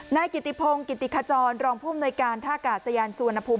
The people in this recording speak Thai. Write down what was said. นายกิติพงศ์กิติขจรรองภูมิหน่วยการท่ากาศยานสุวรรณภูมิ